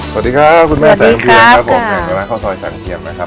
สวัสดีครับคุณแม่แสงเพียงครับผมร้านข้าวซอยแสงเพียงนะครับ